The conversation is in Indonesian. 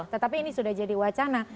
tetapi ini sudah jadi wacana